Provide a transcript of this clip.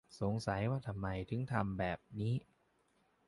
สงสัยว่าทำไมถึงทำแบบนี้